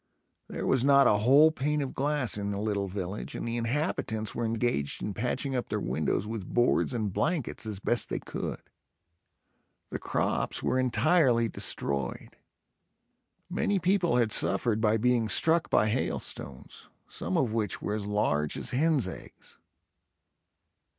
There was not a whole pane of glass in the little village and the inhabitants were engaged in patching up their windows with boards and blankets, as best they could. The crops were entirely destroyed. Many people had suffered by being struck by hailstones, some of which were as large as hens eggs.